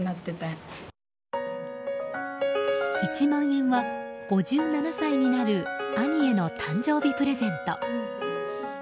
１万円は５７歳になる兄への誕生日プレゼント。